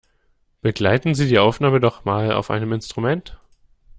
Begleiten Sie die Aufnahme doch mal auf einem Instrument!